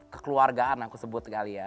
kekeluargaan aku sebut sekali ya